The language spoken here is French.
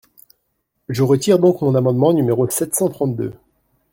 Je retire donc mon amendement numéro sept cent trente-deux.